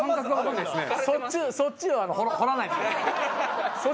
そっちは掘らないで。